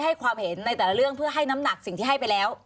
ให้ความเห็นในแต่ละเรื่องเพื่อให้น้ำหนักสิ่งที่ให้ไปแล้ว